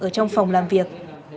ở trong phòng làm việc